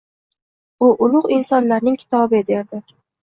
Bu ulug‘ insonlarning kitobi, derdi.